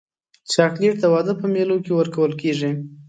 چاکلېټ د واده په مېلو کې ورکول کېږي.